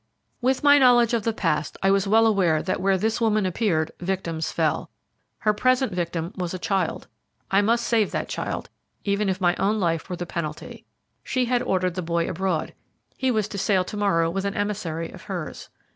With my knowledge of the past, I was well aware that where this woman appeared victims fell. Her present victim was a child. I must save that child, even if my own life were the penalty. She had ordered the boy abroad. He was to sail to morrow with an emissary of hers.